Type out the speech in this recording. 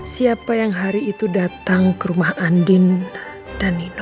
siapa yang hari itu datang ke rumah andin dan nino